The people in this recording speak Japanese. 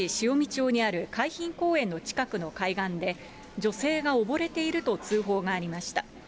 町にある海浜公園の近くの海岸で、女性が溺れていると通報がありました。